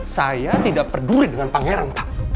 saya tidak peduli dengan pangeran